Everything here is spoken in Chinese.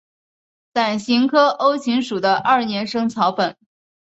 伞形科欧芹属的二年生草本。